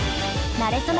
なれそめ！